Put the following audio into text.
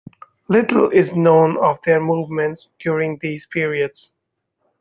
Little is known of their movements during these periods.